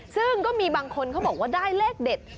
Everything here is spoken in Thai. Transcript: ซึ่งก็มีบางคนเขาบอกว่าได้เลขเด็ด